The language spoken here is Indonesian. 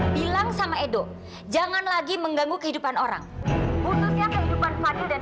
bilang sama edo jangan lagi mengganggu kehidupan orang khususnya kehidupan fadil dan